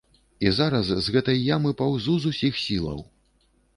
І зараз з гэтай ямы паўзу з усіх сілаў.